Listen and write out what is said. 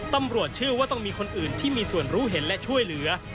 ตำรวจเชื่อว่าต้องมีคนอื่นที่มีส่วนรู้เห็นและช่วยเหลือ